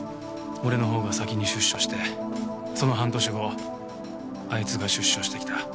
俺の方が先に出所してその半年後あいつが出所してきた。